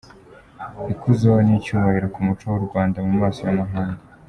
Ikuzo n’icyubahiro ku muco w’u Rwanda mu maso y’amahanga.